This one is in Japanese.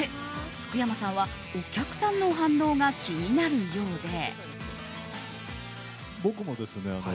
福山さんは、お客さんの反応が気になるようで。